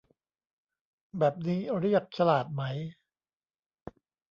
แบบนี้เรียกฉลาดไหม